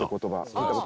聞いた事。